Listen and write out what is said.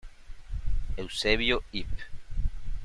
Eusebio, ib.